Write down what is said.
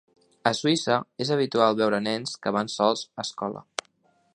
A Suïssa, és habitual veure nens que van sols a escola.